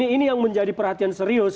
ini yang menjadi perhatian serius